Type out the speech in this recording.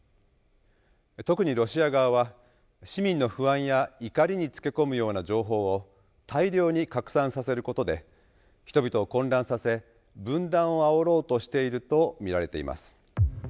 特にロシア側は市民の不安や怒りにつけ込むような情報を大量に拡散させることで人々を混乱させ分断をあおろうとしていると見られています。